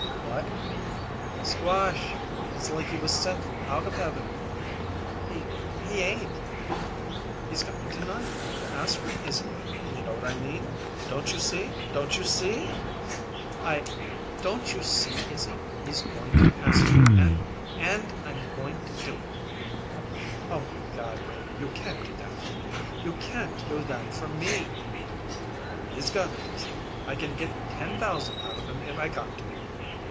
"What?" "Squash! It's like he was sent out of heaven!" "He he ain't " "He's coming to night to ask me, Izzy. You know what I mean? Don't you see? Don't you see?" "I " "Don't you see, Izzy? He's going to ask me, and and I'm going to do it!" "Oh, my God! Renie, you can't do that for me if You can't do that for me." "He's got it, Izzy. I can get ten thousand out of him if I got to."